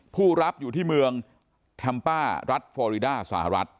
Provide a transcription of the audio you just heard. ผู้รับอยู่ที่เมืองแทมป้ารัฐฟอริดาสหรัฐ